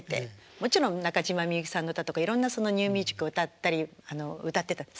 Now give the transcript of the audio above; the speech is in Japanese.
もちろん中島みゆきさんの歌とかいろんなニューミュージックを歌ったり歌ってた。